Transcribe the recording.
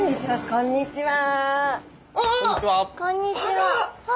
こんにちは。